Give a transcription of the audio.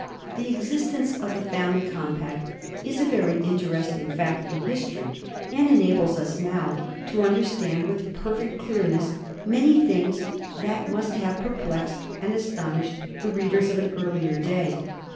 The existence of the family compact is a very interesting fact in history, and enables us now to un derstand with perfect clearness many things that must have perplexed and astonished the readers of an earlier day.